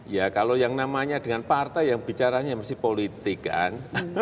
ya kalau yang namanya dengan partai yang bicaranya mesti politik kan